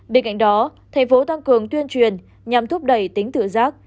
bên cạnh đó thành phố tăng cường tuyên truyền nhằm thúc đẩy tính tự giác